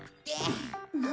何？